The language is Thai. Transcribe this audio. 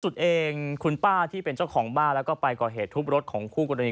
สุดเองคุณป้าที่เป็นเจ้าของบ้านแล้วก็ไปก่อเหตุทุบรถของคู่กรณี